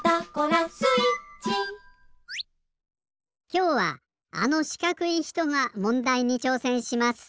きょうはあのしかくいひとがもんだいにちょうせんします。